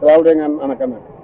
selalu dengan anak anak